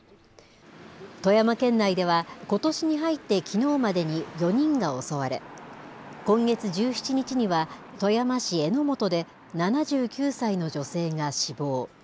富山県内ではことしに入ってきのうまでに、４人が襲われ、今月１７日には富山市江本で７９歳の女性が死亡。